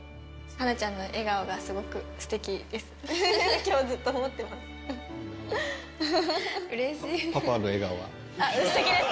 はなちゃんの笑顔がすごくすてきです。